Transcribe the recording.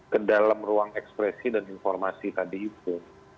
ke dalam ruang ekspresi dan informasi tadi itu